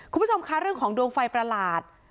คุณผู้ชมคะเรื่องของดวงไฟประหลาด